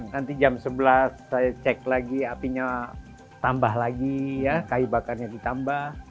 nanti jam sebelas saya cek lagi apinya tambah lagi kayu bakarnya ditambah